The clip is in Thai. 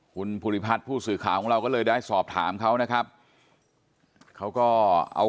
คุณภูริพัฒน์ผู้สื่อข่าวของเราก็เลยได้สอบถามเขานะครับเขาก็เอา